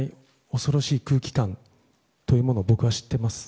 恐ろしい空気感というものを僕は知っています。